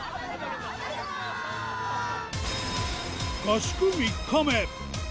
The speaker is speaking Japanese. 合宿３日目。